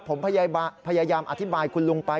ผมพยายามอธิบายคุณลุงไป